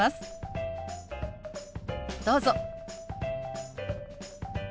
どうぞ。